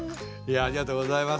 ありがとうございます。